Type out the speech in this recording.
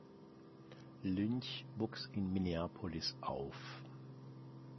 Lynch wuchs in Minneapolis auf.